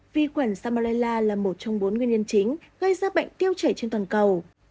vi khuẩn salmalella là một trong bốn nguyên nhân chính gây ra bệnh tiêu chảy trên toàn cầu